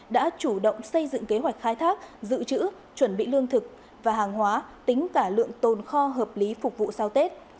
đã chủ động xây dựng kế hoạch khai thác dự trữ chuẩn bị lương thực và hàng hóa tính cả lượng tồn kho hợp lý phục vụ sau tết